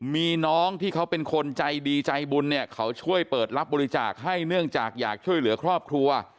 มีน้องที่เขาเป็นคนใจดีใจบุญเนี่ยเขาช่วยเปิดรับบริจาคให้เนื่องจากอยากช่วยเหลือครอบครัว